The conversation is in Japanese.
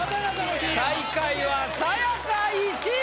最下位はさや香石井！